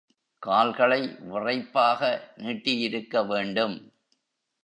கால்களை விறைப்பாக நீட்டியிருக்க வேண்டும்.